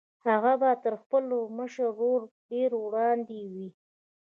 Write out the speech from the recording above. هغه به تر خپل مشر ورور ډېر وړاندې وي